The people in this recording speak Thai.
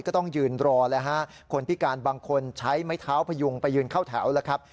ก็ต้องยืนรอแล้วฮะคนพิการบางคนใช้ไม้เท้าพยุงไปยืนเข้าแถวแล้วครับ